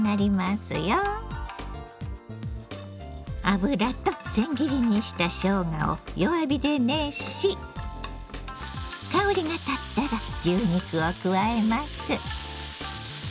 油とせん切りにしたしょうがを弱火で熱し香りがたったら牛肉を加えます。